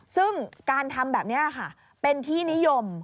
ซึ่งการทำแบบนี้ค่ะเป็นที่นิยม